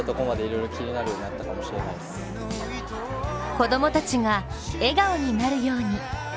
子供たちが笑顔になるように。